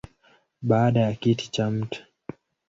Baada ya kiti cha Mt.